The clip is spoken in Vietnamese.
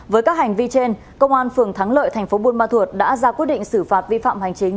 với các hành vi trên công an phường thắng lợi thành phố buôn ma thuột đã ra quyết định xử phạt vi phạm hành chính